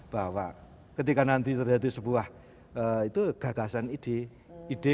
bahwa ketika nanti terjadi sebuah gagasan ide ide